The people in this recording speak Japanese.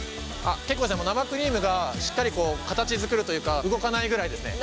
結構生クリームがしっかり形づくるというか動かないぐらいですね。